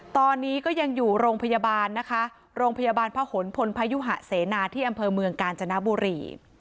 ตอนนี้ก็ยังอยู่โรงพยาบาลนะคะโรงพยาบาลพระหลพลพยุหะเสนาที่อำเภอเมืองกาญจนบุรี